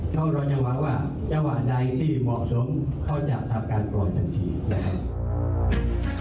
เขารอยอย่างวาว่าชาวอาหารใดที่เหมาะสมเขาจะทำการปล่อยจังขึ้น